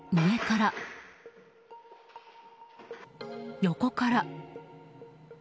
上から、横から。